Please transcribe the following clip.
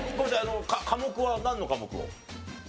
科目はなんの科目を？